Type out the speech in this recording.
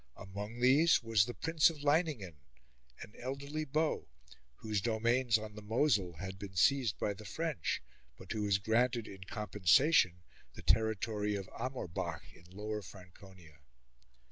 Among these was the Prince of Leiningen, an elderly beau, whose domains on the Moselle had been seized by the French, but who was granted in compensation the territory of Amorbach in Lower Franconia.